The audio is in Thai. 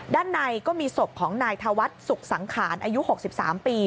ด้านในก็มีศพของนายธวัฒน์สุขสังขารอายุ๖๓ปี